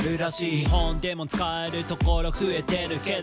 「日本でも使えるところ増えてるけど」